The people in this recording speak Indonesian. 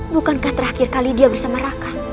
bukankah terakhir kali dia bersama raka